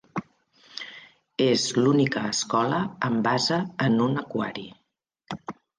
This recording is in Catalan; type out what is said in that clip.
És l'única escola amb base en un aquari.